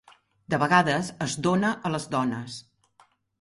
De vegades, es dóna a les dones.